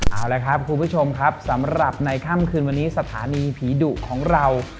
เอาละครับคุณผู้ชมครับสำหรับในค่ำคืนวันนี้สถานีผีดุของเรา